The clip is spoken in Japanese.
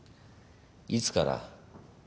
いつから？